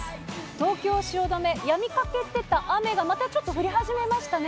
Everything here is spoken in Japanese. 東京・汐留、やみかけてた雨が、またちょっと降り始めましたね。